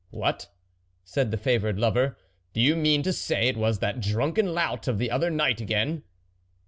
" What !" said the favoured lover, " do you mean to say it was that drunken lout of the other night, again